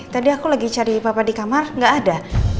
tadi aku lagi cari papa di kamar gak ada